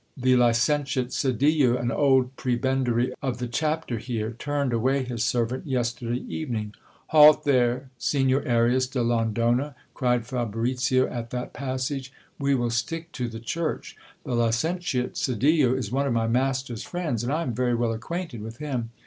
The Licentiate Sedillo, an old prebendary of the chapter here, turned away his servant yesterday even ing Halt there, Signor Arias de Londona, cried Fabricio at that passage ; we will stick to the church. The Licentiate Sedillo is one of my master's friends, and I am very well acquainted with him.